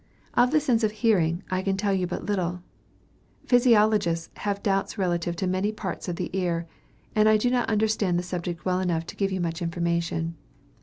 Of the sense of hearing, I can tell you but little. Physiologists have doubts relative to many parts of the ear; and I do not understand the subject well enough to give you much information.